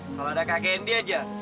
kalau ada kakek india aja